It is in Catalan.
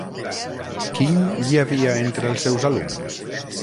Quin hi havia entre els seus alumnes?